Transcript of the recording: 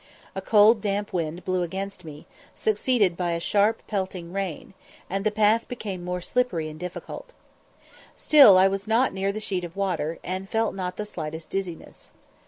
A cold, damp wind blew against me, succeeded by a sharp pelting rain, and the path became more slippery and difficult. Still I was not near the sheet of water, and felt not the slightest dizziness.